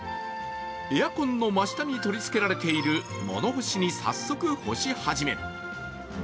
エアコンの真下に取り付けられている物干しに早速、干し始める。